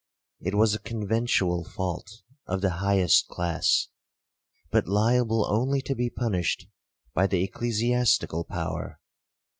It was a conventual fault of the highest class, but liable only to be punished by the ecclesiastical power.